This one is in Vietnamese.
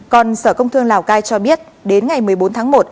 còn sở công thương lào cai cho biết đến ngày một mươi bốn tháng một